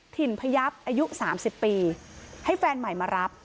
ถิ่นพยับอายุ๓๐ปีให้แฟนใหม่มารับ